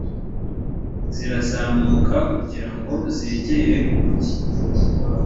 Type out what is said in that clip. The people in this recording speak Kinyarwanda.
zirazamuka kugira ngo zegere umugi